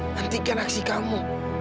nantikan aksi kamu